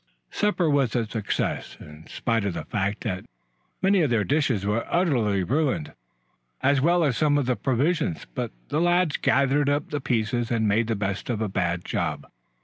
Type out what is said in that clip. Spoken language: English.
Supper was a success, in spite of the fact that many of their dishes were utterly ruined, as well as some of the provisions. But the lads gathered up the pieces and made the best of a bad job.